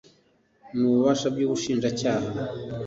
n ububasha by ubushinjacyaha